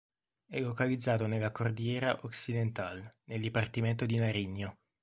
È localizzato nella Cordillera Occidental, nel dipartimento di Nariño.